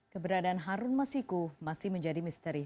keberadaan harun masiku masih menjadi misteri